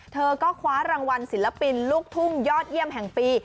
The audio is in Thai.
เธอก็คว้ารางวัลศิลปินลูกทุ่งยอดเยี่ยมแห่งปี